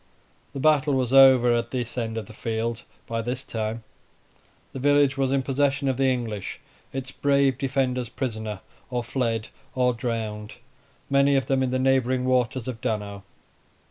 The battle was over at this end of the field, by this time: the village was in possession of the English, its brave defenders prisoners, or fled, or drowned, many of them, in the neighboring waters of Donau.